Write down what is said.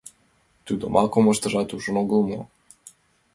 Тудымак омыштыжат ужын огыл мо?